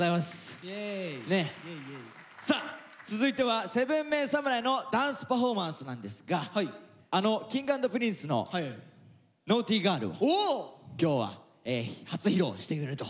さあ続いては７ＭＥＮ侍のダンスパフォーマンスなんですがあのＫｉｎｇ＆Ｐｒｉｎｃｅの「ＮａｕｇｈｔｙＧｉｒｌ」を今日は初披露してくれると。